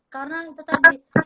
karena itu tadi